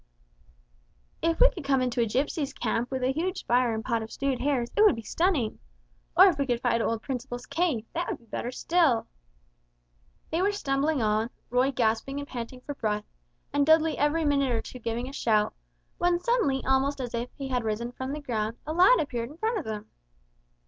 "If we could come into a gipsies' camp with a huge fire and a pot of stewed hares, it would be stunning! Or if we could find old Principle's cave, that would be better still!" They were stumbling on, Roy gasping and panting for breath, and Dudley every minute or two giving a shout, when suddenly almost as if he had risen from the ground, a lad appeared in front of them.